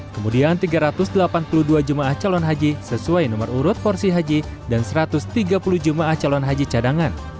kemudian tiga ratus delapan puluh dua jemaah calon haji sesuai nomor urut porsi haji dan satu ratus tiga puluh jemaah calon haji cadangan